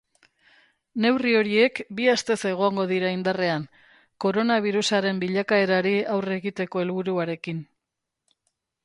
Neurri horiek bi astez egongo dira indarrean, koronabirusaren bilakaerari aurre egiteko helburuarekin.